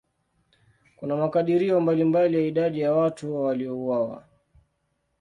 Kuna makadirio mbalimbali ya idadi ya watu waliouawa.